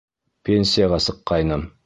— Пенсияға сыҡҡайным.